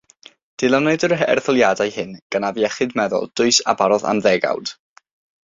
Dilynwyd yr erthyliadau hyn gan afiechyd meddwl dwys a barodd am ddegawd.